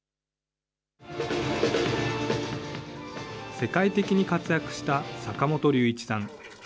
世界的に活躍した坂本龍一さん。